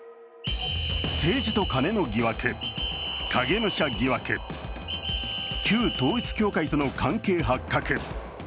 政治とカネの疑惑、影武者疑惑、旧統一教会との関係発覚。